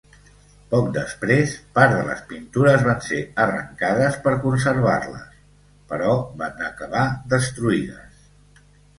Poc després part de les pintures van ser arrencades per conservar-les, però van acabar destruïdes.